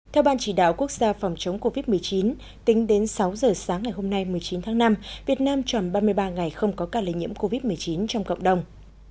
theo ban chỉ đạo quốc gia phòng chống covid một mươi chín tính đến sáu giờ sáng ngày hôm nay một mươi chín tháng năm việt nam tròn ba mươi ba ngày không có ca lây nhiễm covid một mươi chín trong cộng đồng